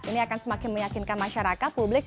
ini akan semakin meyakinkan masyarakat publik